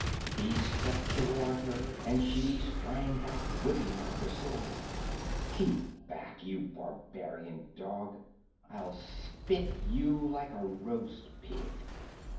He stepped toward her, and she sprang back, whipping out her sword. "Keep back, you barbarian dog! I'll spit you like a roast pig!"